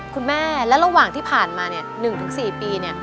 คุณแม่และระหว่างที่ผ่านมา๑๔ปี